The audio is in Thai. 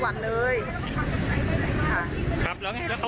แล้วก็เละกันไปน่ะค่ะ